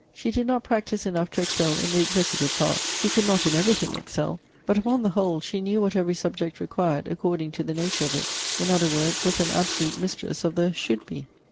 She did not practise enough to excel in the executive part. She could not in every thing excel. But, upon the whole, she knew what every subject required according to the nature of it; in other words, was an absolute mistress of the should be.